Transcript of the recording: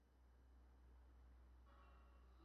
Garaiz da.